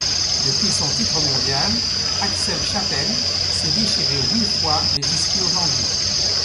Depuis son titre mondial, Axel Chapelle s'est déchiré huit fois les ischio-jambiers.